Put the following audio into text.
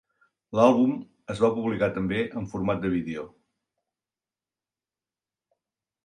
L'àlbum es va publicar també en format de vídeo.